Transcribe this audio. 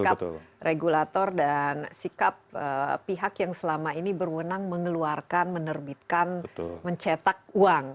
sikap regulator dan sikap pihak yang selama ini berwenang mengeluarkan menerbitkan mencetak uang